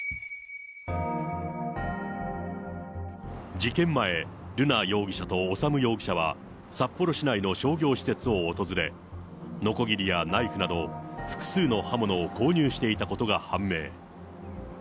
事件前、瑠奈容疑者と修容疑者は、札幌市内の商業施設を訪れ、のこぎりやナイフなど、複数の刃物を購入していたことが判明。